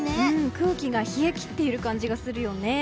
空気が冷え切ってる感じがするよね。